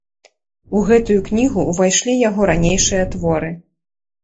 У гэтую кнігу ўвайшлі яго ранейшыя творы.